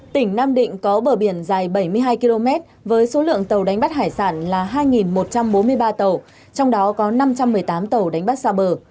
tỉnh nam định có bờ biển dài bảy mươi hai km với số lượng tàu đánh bắt hải sản là hai một trăm bốn mươi ba tàu trong đó có năm trăm một mươi tám tàu đánh bắt xa bờ